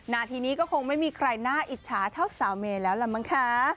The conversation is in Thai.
นาทีนี้ก็คงไม่มีใครน่าอิจฉาเท่าสาวเมย์แล้วล่ะมั้งคะ